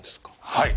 はい。